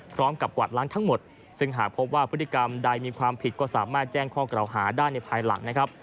กวาดล้างทั้งหมดซึ่งหากพบว่าพฤติกรรมใดมีความผิดก็สามารถแจ้งข้อกล่าวหาได้ในภายหลังนะครับ